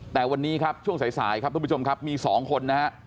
แต่วันนี้ครับช่วงสายครับทุกผู้ชมมีสองคน